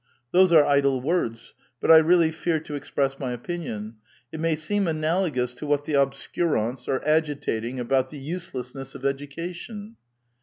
" Those are idle words, but I really fear to express my opinion ; it may seem analogous to what the obskurujUs are agitating about the uselessness of education."